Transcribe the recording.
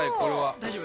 大丈夫。